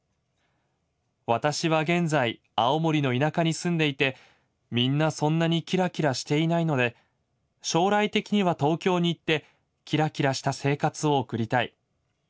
私は現在青森の田舎に住んでいてみんなそんなにキラキラしていないので将来的には東京にいってキラキラした生活を送りたい。